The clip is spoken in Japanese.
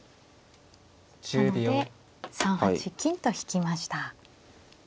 なので３八金と引きました。